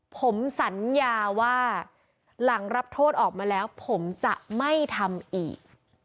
ผมสัญญาว่าหลังรับโทษออกมาแล้วผมจะไม่ทำอีก